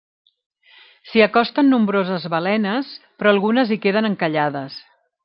S'hi acosten nombroses balenes però algunes hi queden encallades.